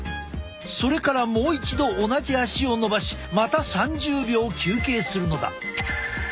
それからもう一度同じ足をのばしまた３０秒休憩するのだ。